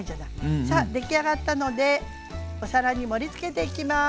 さあ出来上がったのでお皿に盛りつけていきます。